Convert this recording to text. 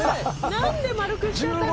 何で丸くしちゃったの⁉